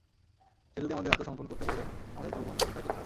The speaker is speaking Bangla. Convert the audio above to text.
সে যদি আমাদের আত্মসমর্পণ করতে বলে আমাদের চোখ বন্ধ করে তাই করতে হয়।